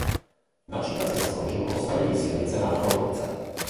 Například se zasloužil o postavení silnice na vrchol kopce.